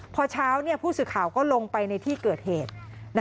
พอเช้าผู้สื่อข่าวก็ลงไปในที่เกิดเหตุ